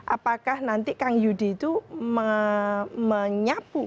apakah nanti kang yudi itu menyapu